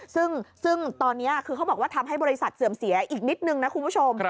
ซึ่งตอนนี้คือเขาบอกว่าทำให้บริษัทเสื่อมเสียอีกนิดนึงนะคุณผู้ชม